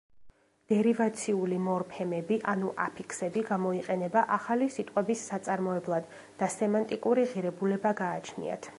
დერივაციული მორფემები ანუ აფიქსები გამოიყენება ახალი სიტყვების საწარმოებლად და სემანტიკური ღირებულება გააჩნიათ.